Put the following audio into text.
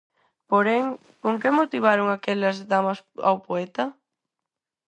Porén, con que motivaron aquelas damas ao poeta?